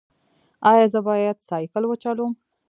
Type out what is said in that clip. ایا زه باید سایکل وچلوم؟